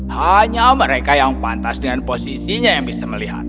hanya mereka yang pantas dengan posisinya yang bisa melihat